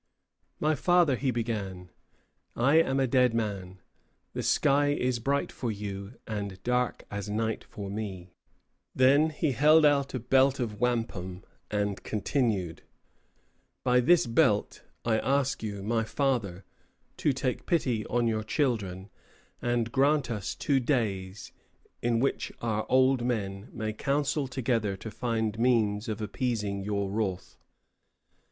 "My father," he began, "I am a dead man. The sky is bright for you, and dark as night for me." Then he held out a belt of wampum, and continued: "By this belt I ask you, my father, to take pity on your children, and grant us two days in which our old men may counsel together to find means of appeasing your wrath."